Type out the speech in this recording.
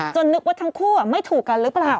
นึกว่าทั้งคู่ไม่ถูกกันหรือเปล่า